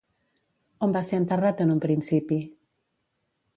On va ser enterrat en un principi?